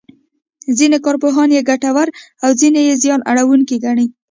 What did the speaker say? ځینې کارپوهان یې ګټوره او ځینې یې زیان اړوونکې ګڼي.